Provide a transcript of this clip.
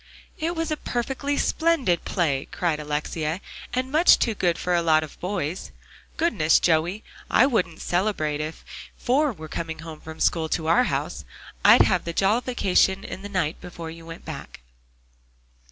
"It was a perfectly splendid play!" cried Alexia, "and much too good for a lot of boys. Goodness, Joey, I wouldn't celebrate if you four were coming home from school to our house. I'd have the jollification the night before you went back."